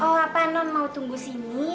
oh apa non mau tunggu sini